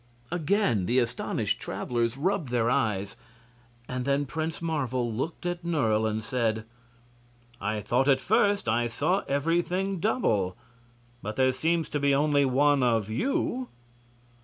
Again the astonished travelers rubbed their eyes, and then Prince Marvel looked at Nerle and said: "I thought at first that I saw everything double, but there seems to be only one of YOU."